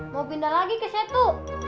mau pindah lagi ke situ